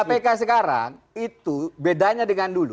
kpk sekarang itu bedanya dengan dulu